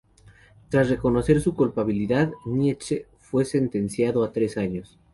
Tras reconocer su culpabilidad, Nitzsche fue sentenciado a tres años.